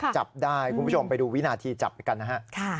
จับได้คุณผู้ชมไปดูวินาทีจับกันนะฮะ